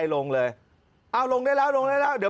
เมื่อเงินเลยแท็คซี่บอกไล่ลงเลย